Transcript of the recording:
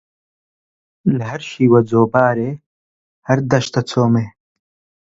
لە هەر شیوە جۆبارێ هەر دەشتە چۆمێ